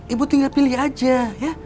ibu tinggal pilih aja ya